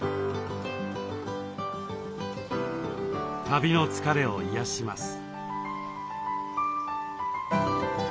旅の疲れを癒やします。